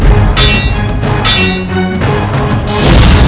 aku akan menjadikanmu penyakit